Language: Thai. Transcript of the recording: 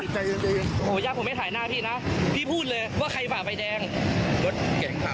เพราะกูไฟเกี๋ยวมึงไฟแดงน่ะ